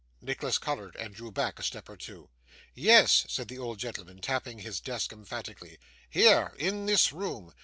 Nicholas coloured, and drew back a step or two. 'Yes,' said the old gentleman, tapping his desk emphatically, 'here, in this room.